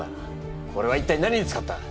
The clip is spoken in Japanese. これは一体何に使った！？